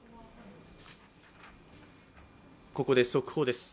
ここで速報です。